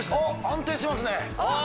安定してますね。